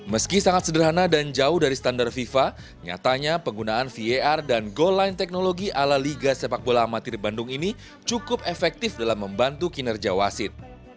meski sangat sederhana dan jauh dari standar fifa nyatanya penggunaan var dan goal line technology ala liga sepak bola amatir bandung ini cukup efektif dalam membantu kinerja wasit